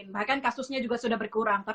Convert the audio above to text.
bahkan kasusnya juga sudah berkurang